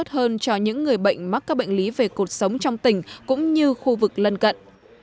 cơ hội điều trị tốt hơn cho những người bệnh mắc các bệnh lý về cột sống trong tỉnh cũng như khu vực lân cận